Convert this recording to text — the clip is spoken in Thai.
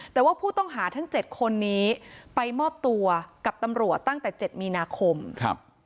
แต่ว่าผู้ต้องหาทั้งเจ็ดคนนี้ไปมอบตัวกับตำรวจตั้งแต่เจ็ดมีนาคมครับ